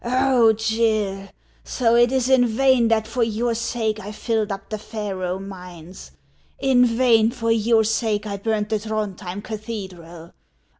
Oh, Gill ! so it o o is in vain that for your sake I filled up the Faroe mines ; in vain for your sake I burned the Throndhjem cathedral.